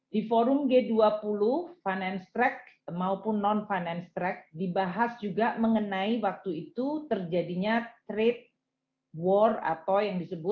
di forum g dua puluh finance track maupun non finance track dibahas juga mengenai waktu itu terjadinya trade war atau yang disebut